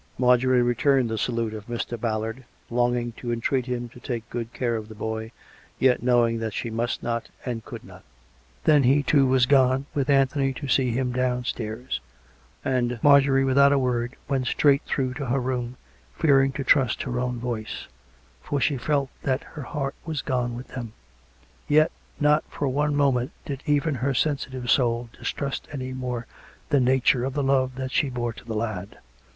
Marjorie returned the salute of Mr. Ballard, longing to entreat him to take good care of the boy, yet knowing that she must not and could not. 180 COME RACK! COME ROPE! Then he, too, was gone, with Anthony to see him down stairs; and Marjorie, without a word, went straight through to her room, fearing to trust her own voice, for she felt that her heart was gone with them. Yet, not for one moment did even her sensitive soul distrust any more the nature of the love that she bore to the lad.